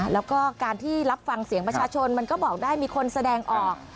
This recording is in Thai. แล้วก็การที่รับฟังเสียงประชาชนมันก็บอกได้มีคนแสดงออก